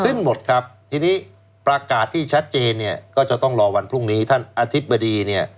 หมดครับทีนี้ประกาศที่ชัดเจนเนี่ยก็จะต้องรอวันพรุ่งนี้ท่านอธิบดีเนี่ย